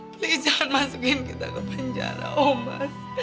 please jangan masukin kita ke penjara omos